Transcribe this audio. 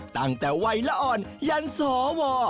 ตั้งแต่วัยละอ่อนยันสว